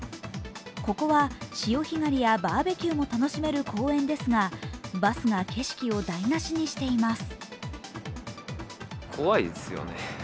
ここは潮干狩りやバーベキューなども楽しめる公園ですが、バスが景色を台無しにしています。